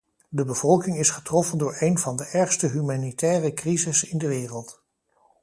De bevolking is getroffen door een van de ergste humanitaire crises in de wereld.